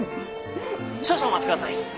少々お待ち下さい。